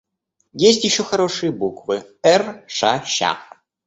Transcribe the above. Есть еще хорошие буквы: Эр, Ша, Ща.